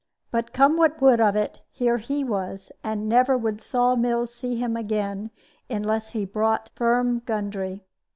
But come what would of it, here he was; and never would Saw mills see him again unless he brought Firm Gundry.